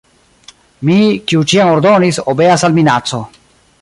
Mi, kiu ĉiam ordonis, obeas al minaco.